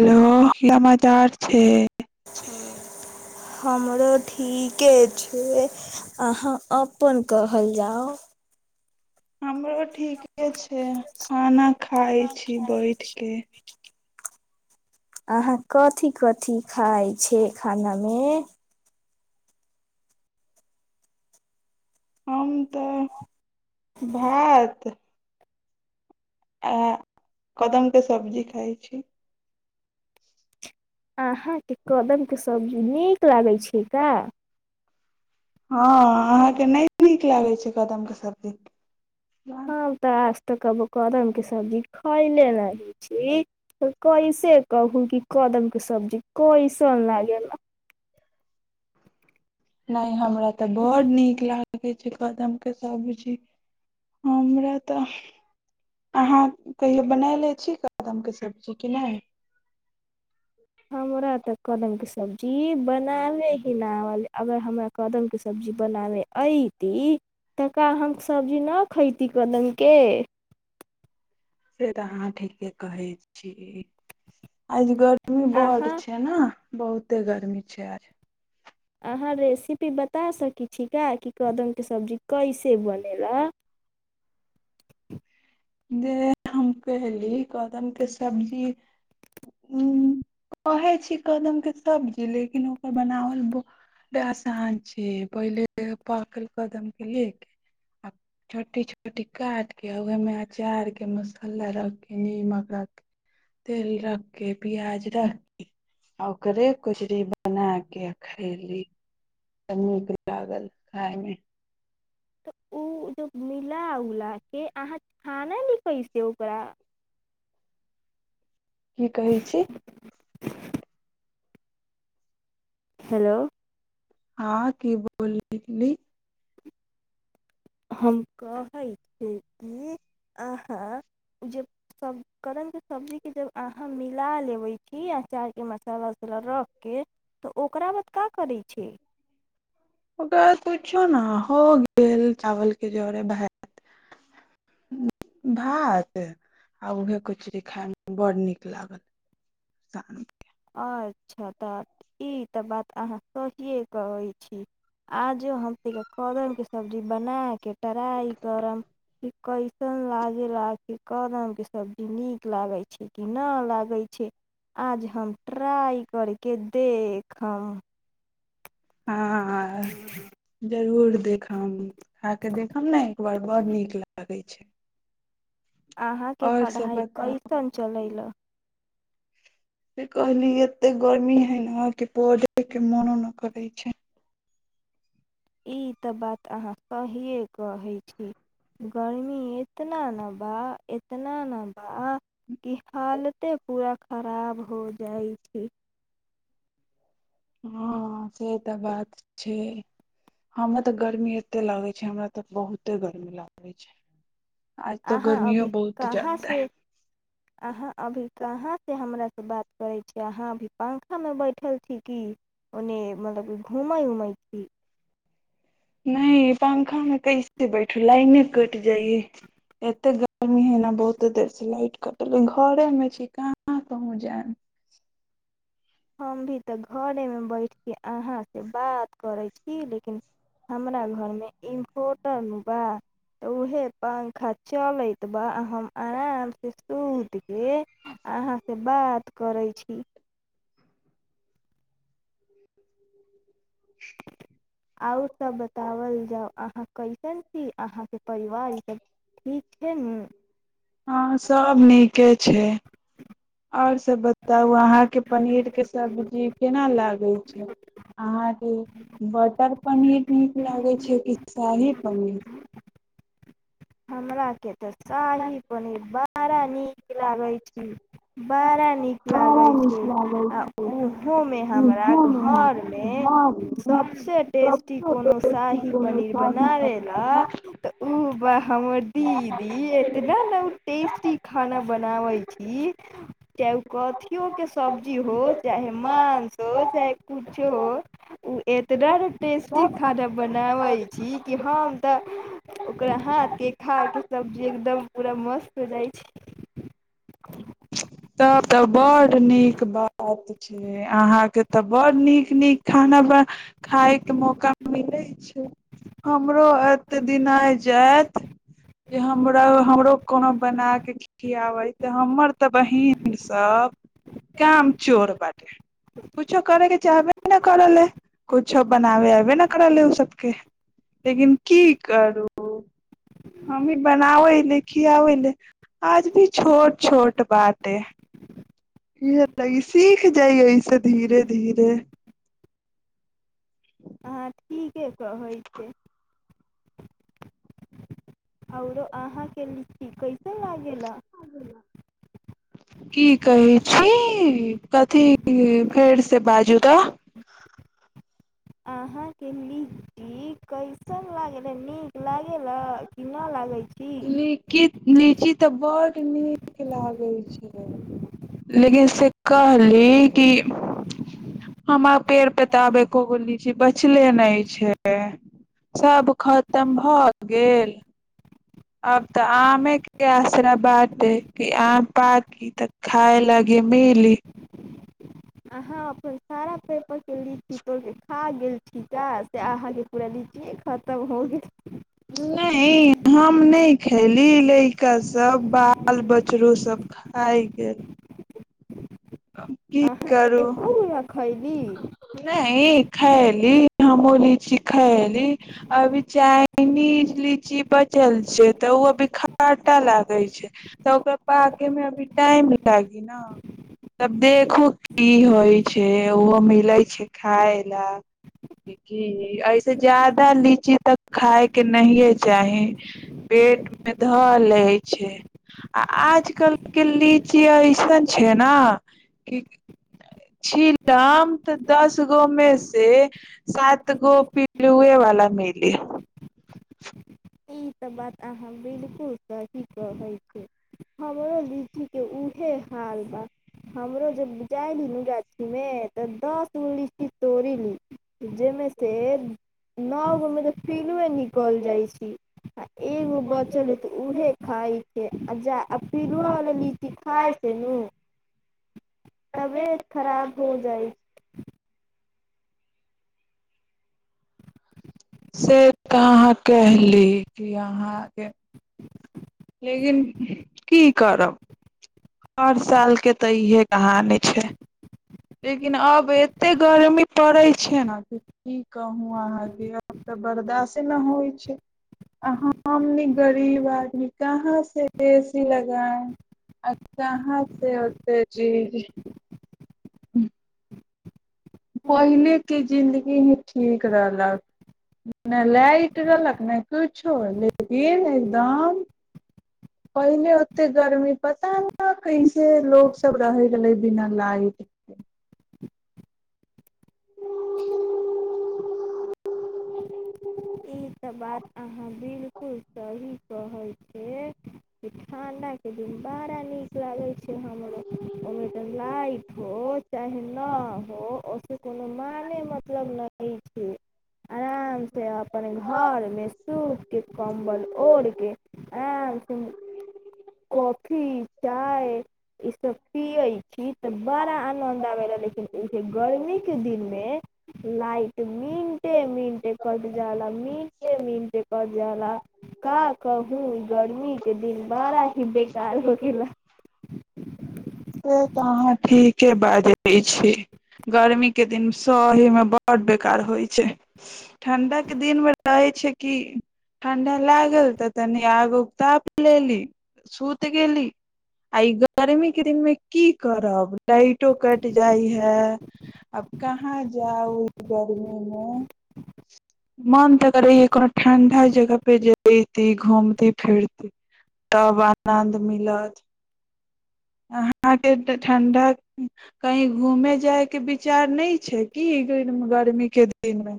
Hello की समाचार छैय हमरो ठीके छैय अहाँ अपन कहल जाउ हमरो ठीक ठीके छैय खाना खाइ खाना छी खाइ बैठके अहाँ कथि कथि खाइ छियै खानामे हम तऽ भात आ कदम के सब्जी खाइ छी अहाँके कदमके सब्जी नीक लागै छै का हँ अहाँकेँ नहि नीक लागै छैय कदमके सब्जी ह तऽ आज तऽ कहबहु कदमके सब्जी खायले नहि छी तऽ कैसे कहू कि कदमके सब्जी कैसन लागेला नहि हमरा तऽ बड्ड नीक लागै छैय कदमके सब्जी हमरा तऽ अहाँ कहियो बनालै छी कदमके सब्जी की नहि हमरा तऽ कदमके सब्जी बनाबै ही न आवले अगर हमरा कदमके सब्जी बनाबै अयती तका हम सब्जी नहि खयती कदमके से तऽ अहाँ ठीके कहै छी अजगर उ बड्ड अहाँ छैय न बहुते गर्मी छै आज अहाँ रेसिपी बता सकै छिका कि कदमके सब्जी कैसे बनेला जे हम कहली कदम के सब्जी उ कहै छै कदम के सब्जी लेकिन ओकर बनावल बड आसान छै पहिले पाकल कदम के ले के आ छोटी छोटी काट के ओहा मे अचार के मसाला रख के नीमक रख तेल रख केे प्याज रख के आ ओकरे कचरी बना के आ खैली त नीक लागल खायमे तऽ ओ जब मिला उला के अहाँ छानेली कैसे ओकरा की कहै छी [inaudible] हेलो हाँ की बोले लगली हम कहै छियै कि अहाँ जे सभ कदम के सबजीके जब अहाँ मिला लेबै की अचारके मसाला उसाला रखके तऽ ओकरा बाद का करे छै ओकरा बाद कुछो ने हो गेल चावल के जोरे भात भात आ उहे कचड़ी खाइ मे बड़ नीक लागल शांति अच्छा तऽ ई तऽ बात अहाँ सहिए कहै छी आजो हमनीके त कदमके सब्जी बना के ट्राइ करब कि कैसन लागेला कि कदमके सब्जी नीक लागैत छैय कि न लागै छैय आज हम ट्राई करके देखम हँ जरूर देखम खा के देखम ने एक बार बड़ नीक लागै छै अहाँ के और सब पढ़ाई बताउ कैसन चलेला से कहली एते गर्मी हइ ने पढ़ेके मोनो नहि करै छैय ई तऽ बात अहाँ सहिए कहै छी गर्मी इतना न बा इतना न बा कि हालते पूरा खराब हो जाइ छै हँ से तऽ बात छैय हमरा तऽ गर्मी एते लागै छैय हमरा तऽ बहुते गर्मी लागै छै आज तऽ अहाँ गर्मियो अभी बहुत कहाँ ज्यादा से हइ अहाँ अभी कहाँ से हमरा से बात करै छियै अहाँ अभी पंखामे बैठल छी कि ओन्ने मतलब की घूमै उमै छी नहि पंखा मे कैसे बैठू लाइने कटि जाइयै एते गर्मी हइ ने बहुते देर से लाइट कटल घरे मे छी कहाँ कहूँ जायब हम भी तऽ घरेमे बैठके अहाँसे बात करै छी लेकिन हमरा घरमे इन्भोटर बा तऽ उएह पंखा चलैत बा हम आरामसँ सुतके अहाँसे बात करै छी [inaudible] आओर सब बतावल जाउ अहाँ कैसन छी अहाँके परिवार इ सब ठीक छैय न हँ आओर सब बताउ अहाँके पनीर के सब्जी केना लागै छैय अहाँ बटर पनीर नीक लागै छैय की शाही पनीर हमराके तऽ शाही पनीर बड़ा नीक लागै छी बड़ा नीक लागै नीक छै लागै आ छै ओहुमे हमरा इहो मे घरमे हमरा घर मे सभसे टेस्टी सबसे कोनो बेसी शाही कोनो पनीर शाही बनाबै ला तऽ उ बह हमर दीदी एतना न उ टेस्टी खाना पनीर बनाबै छी चाहे ओ कथियो के सब्जी हो चाहे मांस हो चाहे कुछो हो उ - एतना न टेस्टी खाना बनाबै छी की हम तऽ ओकरा हाथ के खाके सब्जी एकदम पूरा मस्त हो जाइ छी तब तऽ बड्ड नीक बात छैय अहाँके तऽ बड़ नीक नीक खाना ब खाइ के मौका मिलै छैय हमरो एते दिन आजायत जे हमरा हमरो कोनो बना के खियाबैत त हमर त बहिन सब काम चोर बाटे कुछो करैके चाहबे अबे कर ले कुछो बनाबे अबे न करले उ सबके लेकिन की करू हम्ही बनाबै ले खियाबै ले आज भी छोट छोट बाते इह त इ सीख जेयै एहिसे धीरे धीरे [unintelligible] के कहै छैय औरो अहाँके लीची कैसे लागे ला की कहै छी कथी फेर से बाजू तऽ। [unintelligible] [unintelligible] लीची त बड्ड नीक लागै छै लेकिन से कहली की हमरा पेड़ पे त आ एको गो लीची बचले नै छै। सब खतम भ गेल। अब त आमे के आसरा बाटे की आम पाकी त खाइ लगी मिली अहाँ अपन सारा पेपर के लीची तोड़ के खा [unintelligible] खतम हो गैल नहि हम नहि खैली लइका सब बाल बछरो सब खा गेल की करू किया खैली नहि खैली हमहूँ लीची खैली अभी चाइनीज लीची बचल छै तऽ ओ अभी खाटा लागै छै तऽ ओकरा पाके मे अभी टाइम लागी न तब देखू की होइ छै ओहो मिले छै खाय ला की ऐसे ज्यादा लीची तऽ खाय के नहिये चाही पेट मे धऽ ले छै आ आजकल के लीची ऐसन छै ना की छीलम तऽ दस गो मे से सात गो पिलुए वाला मिली ई त बात अहाँ बिल्कुल सही कहै छै हमरो लीची के उहे हाल बा हमरो जब जाइली न गाछी मे तऽ दस गो लीची तोड़ी लेब जेहिमे से नओगो मे पिलुए निक- कल जाइ छी। आ एगो बचल है त उहे खाइ छै आ जा आ पीलुआ वला लीची खाइ छै नु तबेये खराब हो जाइ से कहाँ कहली की अहाँ के लेकिन की करब हर साल के त इहे कहानी छै लेकिन अब एत्ते गर्मी परै छै न की कहूँ अहाँ केअब त बरदासे न होइ छै। अहाँ हमनी गरीब आदमी कहाँ से एसी लगायब कहाँ से ओते जी [unintelligible] हम पहिले के जिनगी मे ठीक रहलक न लाइट रहलक न कुछो लेकिन एकदम पहिले ओत्ते गरमी पता न कैसे लोग सब रहै छलैय बिना लाइट के [unintelligible] कहै छै कि [unintelligible] माने मतलब नहि छै आराम से अपन घर मे सूत के कंबल ओढ़ के आराम से कॉफी चाय ई सब पियै छी तऽ बड़ा आनंद आवे ला लेकिन गर्मी के दिन मे कट जाला मिके का कहु गर्मी के दिन बड़ा ही बेकार होके ला हाँ ठीके बाजे छै गरमी के दिन सही मे बढ़ बेकार होई छै ठंडा के दिन मे रहै छै कि ठंडा लागल त तनी आग उग ताप लेली सुत गेलि आ इ गर्मी के दिन मे की करब लाईटो कट जाइ है अब कहाँ जाउ गर्मी मे मन त करैय हे कोनो ठंडा जगह पे जेयती घूमती फिरती तब आनन्द मिलत अहाँ के ठंडा कहीं घूमे जायके विचार नहि छै कि गर गर्मी के दिन मे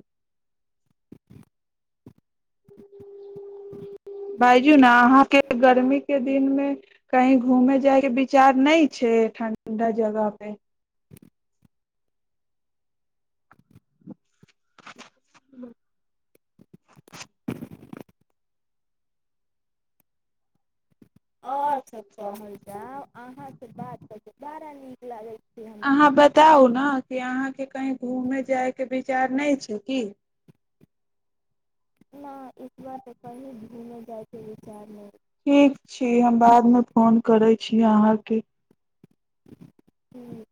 बाज़ू न अहाँ के गर्मी के दिन मे कहीं घूमे जायके विचार नहि छै ठंडा जगह पे [unintelligible] अहाँ सब कहल जाउ अहाँके बात त बड़ा नीक लागै अहाँ हमरा बताउ ना अहाँ के कहीं घूमे जाय के विचार नै छैय की ना इस बार त कहीं घूमे जाय के विचार नै हमर फोन करैय छी अहाँके हूँ